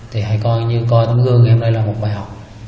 thì hãy coi như coi tấm gương của em đây là một bài học